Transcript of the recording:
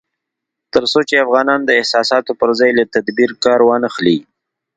تر څو چې افغانان د احساساتو پر ځای له تدبير کار وانخلي